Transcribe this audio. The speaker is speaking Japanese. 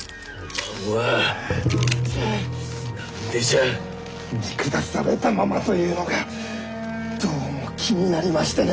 見下されたままというのがどうも気になりましてね。